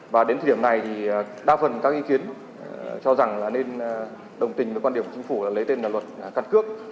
và đến thời điểm này thì đa phần các ý kiến cho rằng là nên đồng tình với quan điểm của chính phủ là lấy tên là luật căn cước